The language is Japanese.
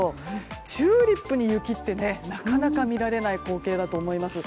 チューリップに雪ってなかなか見られない光景だと思います。